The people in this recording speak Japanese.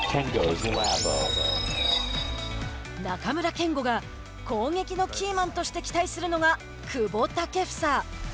中村憲剛が攻撃のキーマンとして期待するのが久保建英。